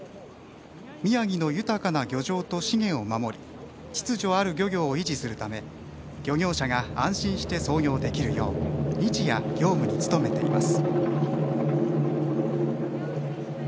宮城の豊かな漁場と資源を守り秩序ある漁業を維持するため漁業者が安心して操業できるよう日夜、業務に努めています。